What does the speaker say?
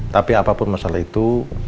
tapi apapun masalah itu